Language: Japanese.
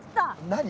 何？